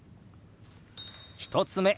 １つ目。